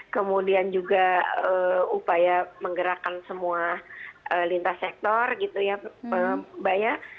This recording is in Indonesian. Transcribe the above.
kemudian juga upaya menggerakkan semua lintas sektor gitu ya mbak ya